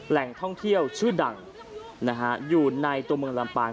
แหล่งท่องเที่ยวชื่อดังอยู่ในตัวเมืองลำปาง